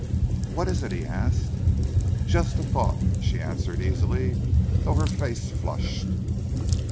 "What is it?" he asked. "Just a thought!" she answered easily, though her face flushed.